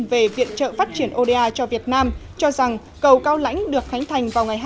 về viện trợ phát triển oda cho việt nam cho rằng cầu cao lãnh được khánh thành